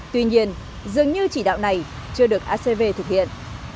tuy nhiên dường như chỉ đạo này chưa được acv thực hiện